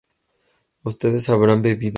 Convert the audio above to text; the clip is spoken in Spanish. ¿ustedes habrán bebido?